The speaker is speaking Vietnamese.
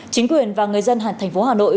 chính quyền và người dân thành phố hà nội